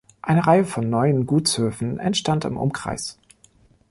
Eine Reihe von neuen Gutshöfen entstand im Umkreis.